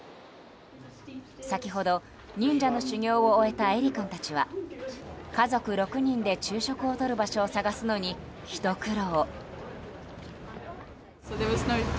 先ほど、忍者の修業を終えたエリ君たちは家族６人で昼食をとる場所を探すのにひと苦労。